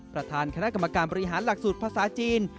ประธานคณะกรรมการบริหารหลักสูตรภาษาจีน